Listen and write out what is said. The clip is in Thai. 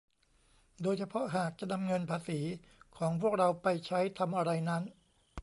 โดยเฉพาะหากจะนำเงินภาษีของพวกเราไปใช้ทำอะไรนั้น